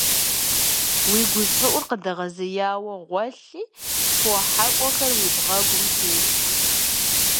- Уи гущӀыӀур къыдэгъэзеяуэ гъуэлъи, фо хьэкӀуэхэр уи бгъэгум телъхьэ.